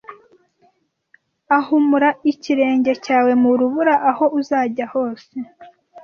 Ahumura ikirenge cyawe mu rubura Aho uzajya hose